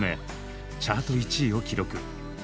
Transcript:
チャート１位を記録。